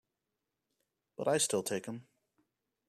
But I still take 'em.